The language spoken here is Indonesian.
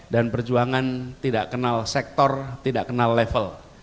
dan perjuangan tidak kenal sektor tidak kenal level